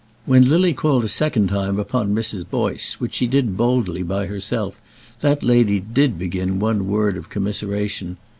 When Lily called a second time upon Mrs. Boyce, which she did boldly by herself, that lady did begin one other word of commiseration.